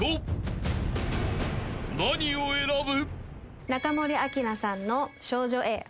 ［何を選ぶ？］